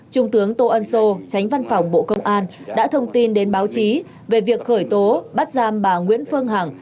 trung tướng tô ân sô tránh văn phòng bộ công an đã thông tin đến báo chí về việc khởi tố bắt giam bà nguyễn phương hằng